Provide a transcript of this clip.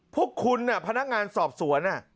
พวกคุณพนักงานสอบสวน